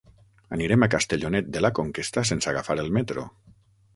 Anirem a Castellonet de la Conquesta sense agafar el metro.